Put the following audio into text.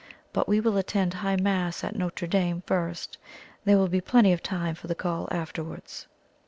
But we will attend High Mass at Notre Dame first. There will be plenty of time for the call afterwards."